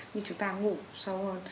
nhưng chúng ta ngủ sâu hơn